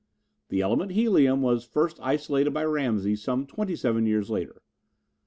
The element helium was first isolated by Ramsey some twenty seven years later.